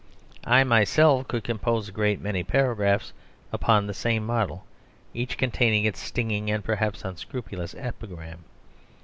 I myself could compose a great many paragraphs upon the same model, each containing its stinging and perhaps unscrupulous epigram.